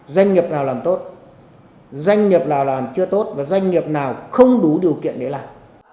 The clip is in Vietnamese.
doanh nghiệp nào làm tốt doanh nghiệp nào làm chưa tốt và doanh nghiệp nào không đủ điều kiện để làm